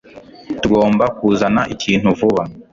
Tugomba kuzana ikintu vuba.